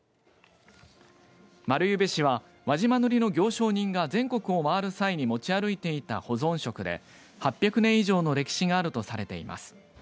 丸柚餅子は、輪島塗の行商人が全国を回る際に持ち歩いていた保存食で８００年以上の歴史があるとされています。